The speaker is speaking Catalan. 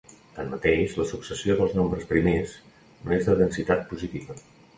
Tanmateix la successió dels nombres primers no és de densitat positiva.